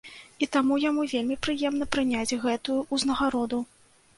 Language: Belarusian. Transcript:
І таму яму вельмі прыемна прыняць гэтую ўзнагароду.